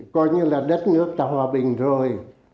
coi như là đất nước tạo hòa bình rồi